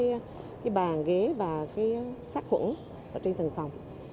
mình đã kiểm tra lại các bàn ghế và sát quẩn trên từng phòng